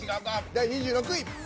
第２６位。